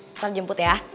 nanti aku jemput ya